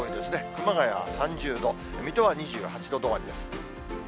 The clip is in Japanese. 熊谷は３０度、水戸は２８度止まりです。